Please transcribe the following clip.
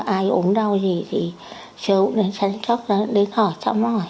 ai ốm đau gì thì sơ cũng sẵn sắc đến khỏi xong rồi